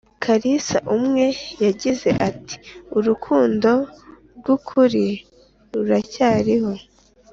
karisa umwe yagize ati “urukundo rw’ukuri ruracyariho